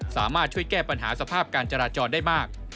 สามารถช่วยแก้ปัญหาสภาพการจราจรได้มาก